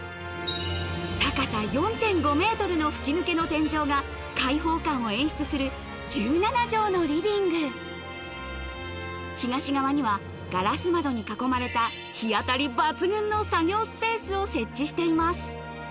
高さ４．５ｍの吹き抜けの天井が開放感を演出する１７帖のリビング東側にはガラス窓に囲まれたを設置しています